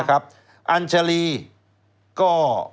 อันจรีก็